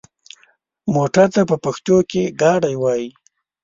موټر ته په پښتو کې ګاډی وايي.